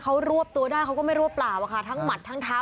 เขารวบตัวได้เขาก็ไม่รวบเปล่าอะค่ะทั้งหมัดทั้งเท้า